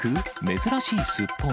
珍しいスッポン。